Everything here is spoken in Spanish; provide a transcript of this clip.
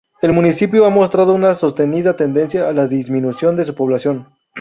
El municipio ha mostrado una sostenida tendencia a la disminución de su población.